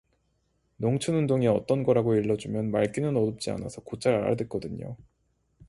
농촌 운동이 어떤 거라구 일러 주면 말귀는 어둡지 않어서 곧잘 알아듣거든요.